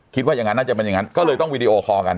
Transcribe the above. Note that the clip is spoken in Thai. คิดว่าอย่างนั้นน่าจะเป็นอย่างนั้นก็เลยต้องวีดีโอคอลกัน